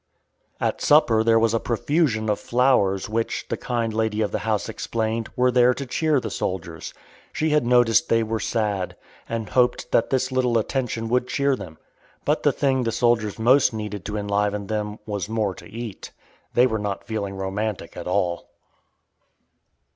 At supper there was a profusion of flowers which, the kind lady of the house explained, were there to cheer the soldiers. She had noticed they were sad, and hoped that this little attention would cheer them. But the thing the soldiers most needed to enliven them was more to eat. They were not feeling romantic at all.